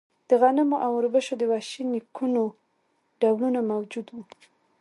د غنمو او اوربشو د وحشي نیکونو ډولونه موجود وو.